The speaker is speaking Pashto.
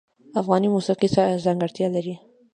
افغاني موسیقی څه ځانګړتیا لري؟